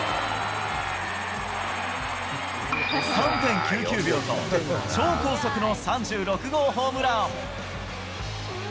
３．９９秒と、超高速の３６号ホームラン。